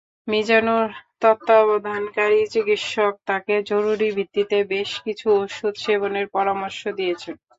মিজানুরের তত্ত্বাবধানকারী চিকিৎসক তাঁকে জরুরি ভিত্তিতে বেশ কিছু ওষুধ সেবনের পরামর্শ দিয়েছেন।